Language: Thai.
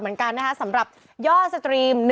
เหมือนกันนะคะสำหรับย่อสตรีม